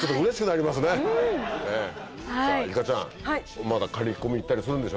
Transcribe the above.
いかちゃんまだ刈り込み行ったりするんでしょ？